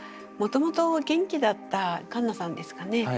もともと元気だったカンナさんですかね。